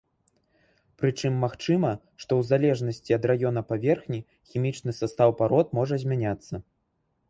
Прычым магчыма, што ў залежнасці ад раёна паверхні, хімічны састаў парод можа змяняцца.